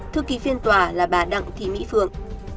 thư ký phiên tòa là bà đặng thị mỹ phượng